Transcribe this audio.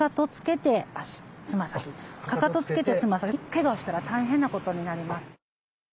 けがをしたら大変なことになります。